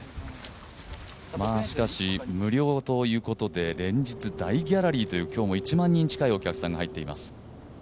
しかし、無料ということで連日大ギャラリーという今日も１万人近いお客さんが入っています。